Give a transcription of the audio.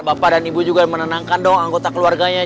bapak dan ibu juga menenangkan dong anggota keluarganya